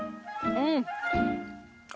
うん！